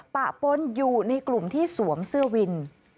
ปะปนอยู่ในกลุ่มที่สวมเสื้อวิน